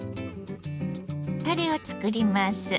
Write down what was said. タレを作ります。